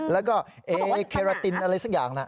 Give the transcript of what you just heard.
แล้วก็เอเคราตินอะไรสักอย่างนะ